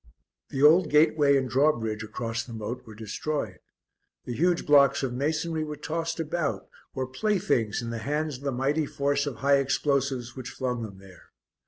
The old gateway and drawbridge across the moat were destroyed; the huge blocks of masonry were tossed about, were playthings in the hands of the mighty force of high explosives which flung them there.